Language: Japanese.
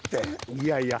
いやいや。